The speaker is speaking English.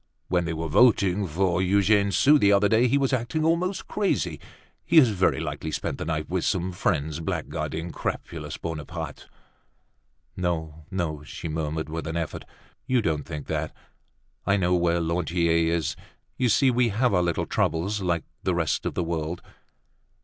When they were voting for Eugene Sue the other day, he was acting almost crazy. He has very likely spent the night with some friends blackguarding crapulous Bonaparte." "No, no," she murmured with an effort. "You don't think that. I know where Lantier is. You see, we have our little troubles like the rest of the world!"